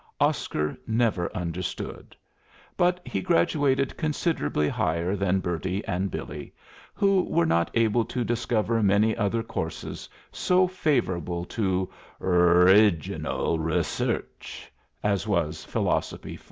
Oscar never understood. But he graduated considerably higher than Bertie and Billy, who were not able to discover many other courses so favorable to "orriginal rresearch" as was Philosophy 4.